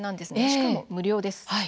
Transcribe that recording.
しかも無料です。